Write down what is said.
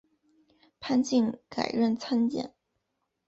潘靖改任参赞。